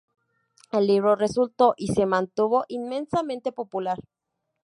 El libro resultó, y se mantuvo, inmensamente popular.